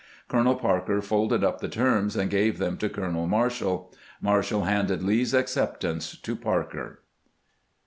Colonel Parker folded up the terms, and gave them to Colonel Marshall. Marshall handed Lee's acceptance to Parker.